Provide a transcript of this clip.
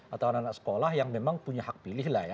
atau anak anak sekolah yang memang punya hak pilih lah ya